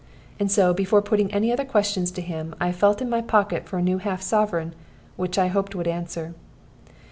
And so, before putting any other questions to him, I felt in my pocket for a new half sovereign, which I hoped would answer.